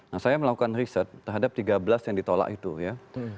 nah saya melakukan riset terhadap tiga belas yang ditolak itu ya